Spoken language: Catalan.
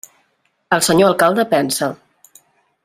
El senyor alcalde pensa.